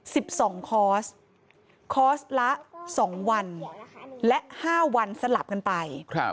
คุณผู้ชม๑๒คอร์ส๒วันและ๕วันสลับกันไป